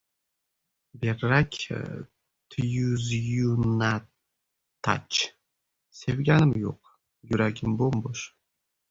Berrak Tyuzyunatach: "Sevganim yo‘q. Yuragim bo‘m-bo‘sh"